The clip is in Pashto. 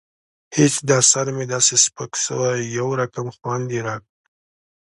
هېڅ دا سر مې داسې سپک سوى يو رقم خوند يې راکړى.